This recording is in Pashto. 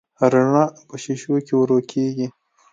رڼا په شیشو کې ورو کېږي.